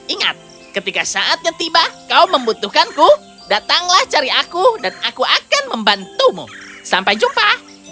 ingat ketika saatnya tiba kau membutuhkanku datanglah cari aku dan aku akan membantumu sampai jumpa